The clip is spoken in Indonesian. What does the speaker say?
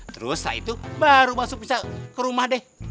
terus setelah itu baru masuk bisa ke rumah deh